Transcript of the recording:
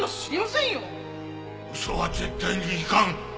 嘘は絶対にいかん。